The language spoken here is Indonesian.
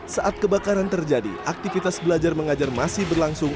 saat kebakaran terjadi aktivitas belajar mengajar masih berlangsung